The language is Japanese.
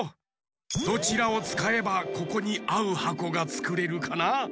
どちらをつかえばここにあうはこがつくれるかな？